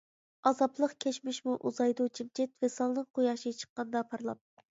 ئازابلىق كەچمىشمۇ ئۇزايدۇ جىمجىت، ۋىسالنىڭ قۇياشى چىققاندا پارلاپ.